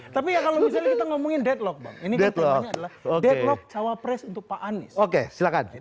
tapi kalau misalnya ngomongin deadlock ini betul coba pres untuk pak anies oke silakan